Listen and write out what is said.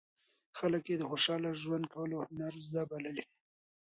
خلک یې د خوشاله ژوند کولو هنر زده بللی.